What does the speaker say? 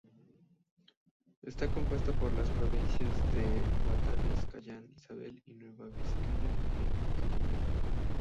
Está compuesta por las provincias de Batanes, Cagayán, Isabela, Nueva Vizcaya y de Quirino.